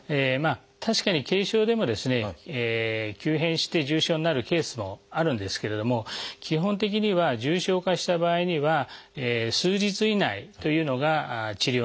確かに軽症でもですね急変して重症になるケースもあるんですけれども基本的には重症化した場合には数日以内というのが治療のカギとなります。